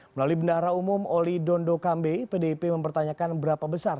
melalui bendahara umum oli dondo kambe pdip mempertanyakan berapa besar